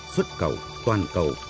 xuất khẩu toàn cầu